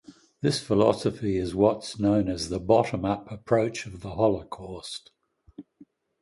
This philosophy is what is known as the bottom-up approach of the Holocaust.